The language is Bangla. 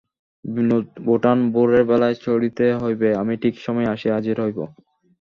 বিনোদ-বোঠান, ভোরের বেলায় ছাড়িতে হইবে, আমি ঠিক সময়ে আসিয়া হাজির হইব।